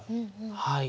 はい。